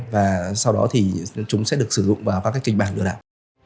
và sau đó thì chúng sẽ được sử dụng vào các kịch bản lừa đảo